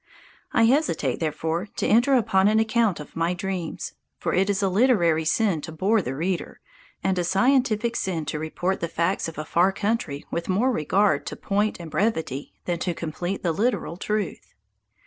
I hesitate, therefore, to enter upon an account of my dreams; for it is a literary sin to bore the reader, and a scientific sin to report the facts of a far country with more regard to point and brevity than to complete and literal truth.